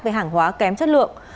về hàng hóa kém chất lượng